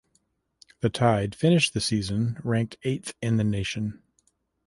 The Tide finished the season ranked eighth in the nation.